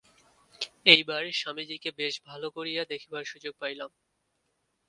এইবার স্বামীজীকে বেশ ভাল করিয়া দেখিবার সুযোগ পাইলাম।